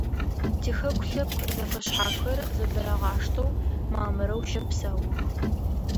Тихэку лъэпкъ зэфэшъхьафхэр зэдырагъаштэу, мамырэу щэпсэух.